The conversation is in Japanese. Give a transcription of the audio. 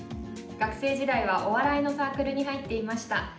学生時代はお笑いのサークルに入っていました。